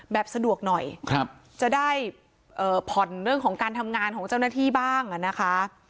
แบบสะดวกหน่อยจะได้ผ่อนเรื่องของการทำงานของเจ้าหน้าที่บ้างนะคะ